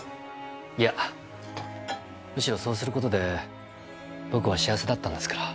いやむしろそうする事で僕は幸せだったんですから。